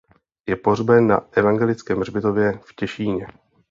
Je pohřben na evangelickém hřbitově v Těšíně.